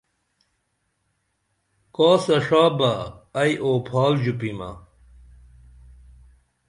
کاسہ ݜا بہ ائی اوپھال ژوپیمہ